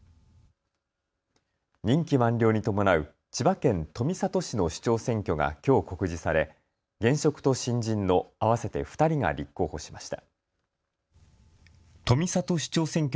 任期満了に伴う千葉県富里市の市長選挙がきょう告示され現職と新人の合わせて２人が立候補しました。